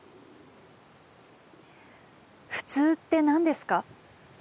普通って何ですか？